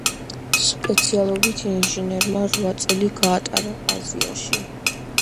სპეციალობით ინჟინერმა რვა წელი გაატარა აზიაში.